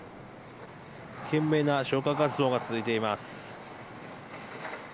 懸命な消火活動が続いています。